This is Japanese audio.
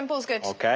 ＯＫ。